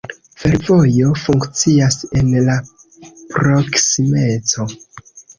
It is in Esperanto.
Fervojo funkcias en la proksimeco.